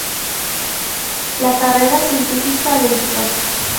La carrera científica del Prof.